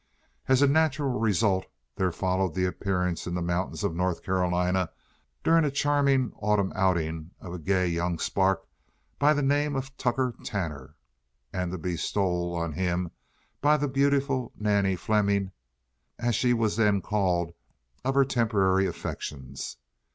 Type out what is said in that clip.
As a natural result there followed the appearance in the mountains of North Carolina during a charming autumn outing of a gay young spark by the name of Tucker Tanner, and the bestowal on him by the beautiful Nannie Fleming—as she was then called—of her temporary affections.